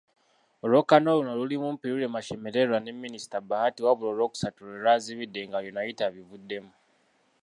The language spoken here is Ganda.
Olwokaano luno lulimu; Mpiriirwe, Mashemererwa ne Minisita Bahati wabula Olwokusatu we lwazibidde nga Arineitwe abivuddemu.